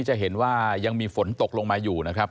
จะเห็นว่ายังมีฝนตกลงมาอยู่นะครับ